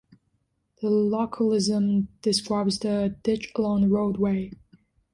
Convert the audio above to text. The localism describes the ditch along a roadway.